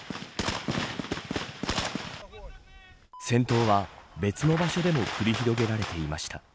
戦闘は、別の場所でも繰り広げられていました。